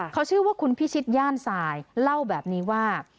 เขาชื่อว่าคุณพิชิตย่านสายเล่าแบบนี้ว่า